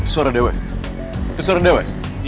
suara dewa suara dewa